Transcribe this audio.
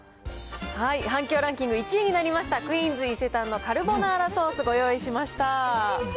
反響ランキング１位になりましたクイーンズ伊勢丹のカルボナーラおいしい！